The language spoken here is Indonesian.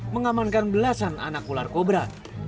mengamankan belasan anak ular kobra